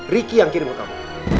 riki yang kirim ke kamu